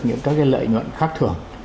những cái lợi nhuận khác thường